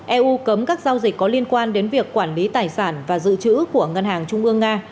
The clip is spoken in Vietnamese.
eu cấm các giao dịch có liên quan đến việc quản lý tài sản và dự trữ của ngân hàng trung ương nga